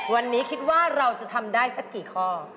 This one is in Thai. วันนี้คิดว่าเราจะทำได้สักกี่ข้อ